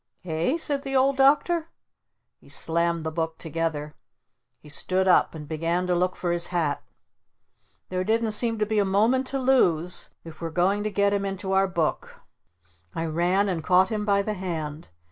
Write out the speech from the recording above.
"Eh?" said the Old Doctor. He slammed the book together. He stood up and began to look for his hat. There didn't seem a moment to lose if we we're going to get him into our book. I ran and caught him by the hand.